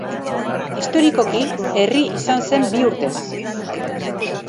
Historikoki, herri izan zen bi urtez.